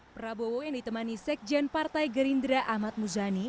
prabowo yang ditemani sekjen partai gerindra ahmad muzani